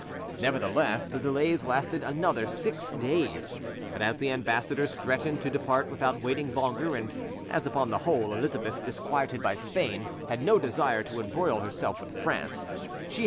Nevertheless, the delays lasted another six days; but as the ambassadors threatened to depart without waiting longer, and as, upon the whole, Elizabeth, disquieted by Spain, had no desire to embroil herself with France, she had M.